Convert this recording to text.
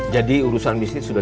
jadi urusan bisnis sudah